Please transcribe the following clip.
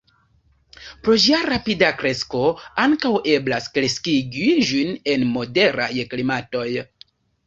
Pro ĝia rapida kresko ankaŭ eblas kreskigi ĝin en moderaj klimatoj.